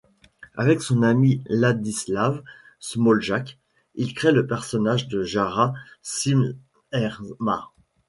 Avec son ami Ladislav Smoljak il crée le personnage de Jára Cimrman.